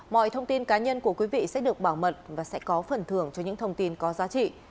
mọi thông tin cá nhân của quý vị sẽ được bảo mật và sẽ có phần thưởng cho những thông tin có giá trị